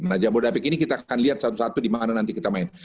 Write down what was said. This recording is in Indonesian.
nah jabodetabek ini kita akan lihat satu satu di mana nanti kita main